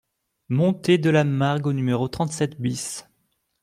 Montee de la Margue au numéro trente-sept BIS